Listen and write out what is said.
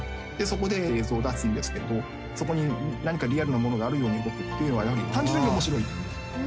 そこで映像を出すんですけどそこに何かリアルなものがあるように動くっていうのはやはり単純に面白い。